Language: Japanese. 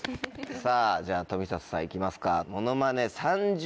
さぁじゃあ冨里さん行きますか。